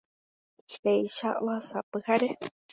Péicha ohasa pyhare